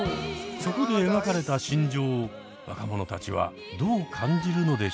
そこで描かれた心情を若者たちはどう感じるのでしょうか？